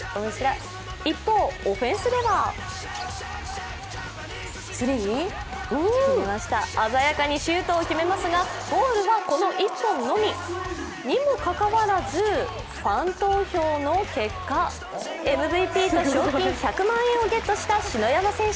一方、オフェンスでは鮮やかにシュートを決めますがゴールはこの１本のみ。にもかかわらずファン投票の結果ＭＶＰと賞金１００万円をゲットした篠山選手。